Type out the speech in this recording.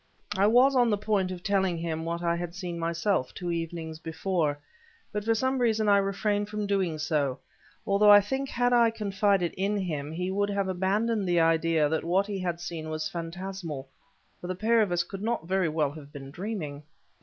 I was on the point of telling him what I had seen myself, two evenings before, but for some reason I refrained from doing so, although I think had I confided in him he would have abandoned the idea that what he had seen was phantasmal; for the pair of us could not very well have been dreaming.